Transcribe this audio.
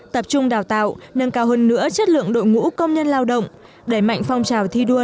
tập trung đào tạo nâng cao hơn nữa chất lượng đội ngũ công nhân lao động đẩy mạnh phong trào thi đua